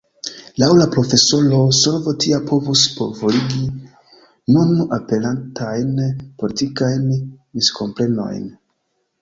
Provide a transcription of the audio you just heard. Laŭ la profesoro, solvo tia povus forigi nun aperantajn politikajn miskomprenojn.